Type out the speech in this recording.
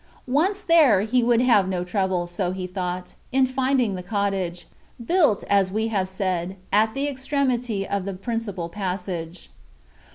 Once there, he would have no trouble, so he thought, in finding the cottage, built, as we have said, at the extremity of the principal passage.